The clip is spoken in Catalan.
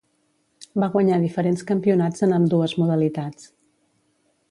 Va guanyar diferents campionats en ambdues modalitats.